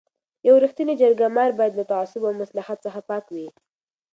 یو رښتینی جرګه مار باید له تعصب او مصلحت څخه پاک وي.